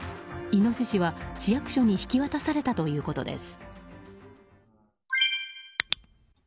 イノシシは市役所に引き渡されたということです。